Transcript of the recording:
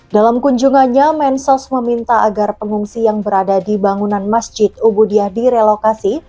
dalam kunjungannya mensos meminta agar pengungsi yang berada di bangunan masjid ubudiah direlokasi